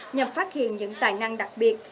nhằm phát hiện những tài năng đặc biệt